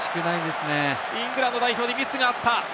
イングランド代表にミスがあった。